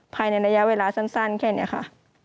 ภายในระยะเวลาสั้นแค่นี้ค่ะ